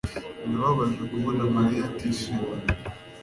Birababaje kubona Mariya atishimye